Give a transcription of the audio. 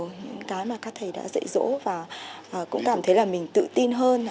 những cái mà các thầy đã dạy dỗ và cũng cảm thấy là mình tự tin hơn